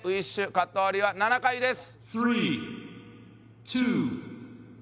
カット割りは７回です